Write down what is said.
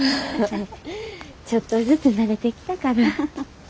ちょっとずつ慣れてきたから。